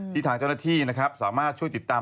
ที่ทางเจ้าหน้าที่สามารถช่วยติดตาม